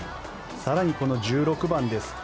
更にこの１６番です。